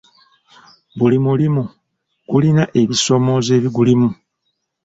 Buli mulimi gulina ebisoomooza ebigulimu.